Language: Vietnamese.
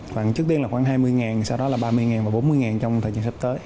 sau đó là ba mươi và bốn mươi trong thời gian sắp tới